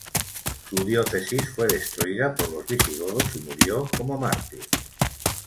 Su diócesis fue destruida por los visigodos y murió como mártir.